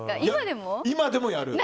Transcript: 今でもやる。